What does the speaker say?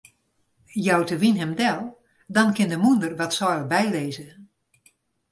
Jout de wyn him del, dan kin de mûnder wat seil bylizze.